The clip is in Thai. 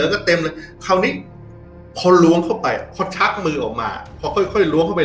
แล้วก็เต็มเลยคราวนี้พอล้วงเข้าไปเขาชักมือออกมาพอค่อยค่อยล้วงเข้าไป